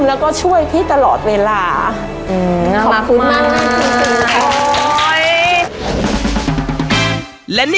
แล้วก็ช่วยพี่ตลอดเวลา